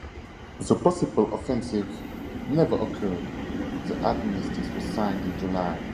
The possible offensive never occurred; the armistice was signed in July.